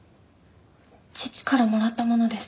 父からもらった物です。